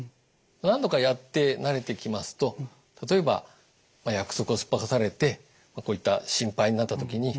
何度かやって慣れてきますと例えば約束をすっぽかされてこういった心配になった時に「